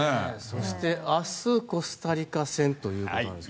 そして、明日コスタリカ戦ということで。